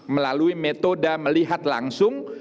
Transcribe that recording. melalui metode melihat langsung